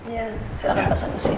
ya silahkan pasanusi